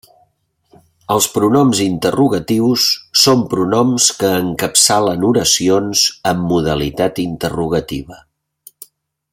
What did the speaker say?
Els pronoms interrogatius són pronoms que encapçalen oracions amb modalitat interrogativa.